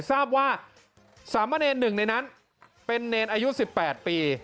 ทราบว่าสามเณรหนึ่งในนั้นเป็นเนรอายุ๑๘ปี